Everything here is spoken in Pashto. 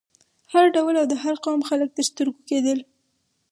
هر ډول او د هر قوم خلک تر سترګو کېدل.